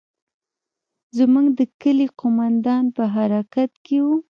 زموږ د کلي قومندان په حرکت کښې و.